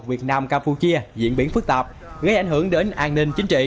việt nam campuchia diễn biến phức tạp gây ảnh hưởng đến an ninh chính trị